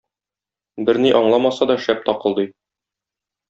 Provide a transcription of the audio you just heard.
Берни аңламаса да шәп такылдый.